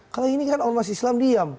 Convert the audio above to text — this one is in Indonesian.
kalau ini kan ormas islam diam